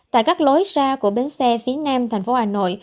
tại các lối ra của bến xe phía nam thành phố hà nội